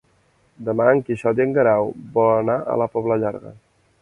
Demà en Quixot i en Guerau volen anar a la Pobla Llarga.